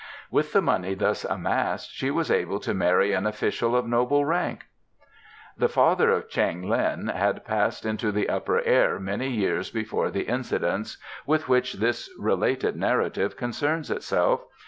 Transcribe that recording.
With the money thus amassed she was able to marry an official of noble rank. The father of Cheng Lin had passed into the Upper Air many years before the incidents with which this related narrative concerns itself.